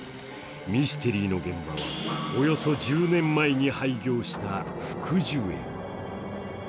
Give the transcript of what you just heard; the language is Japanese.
ミステリーの現場はおよそ１０年前に廃業した福寿苑。